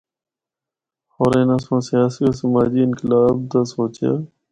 ہور اناں سنڑ سیاسی و سماجی انقلاب دا سوچیا۔